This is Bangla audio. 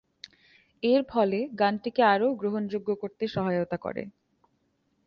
এরফলে গানটিকে আরও গ্রহণযোগ্য করতে সহায়তা করে।